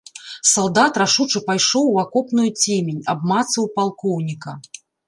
Салдат рашуча пайшоў у акопную цемень, абмацаў палкоўніка.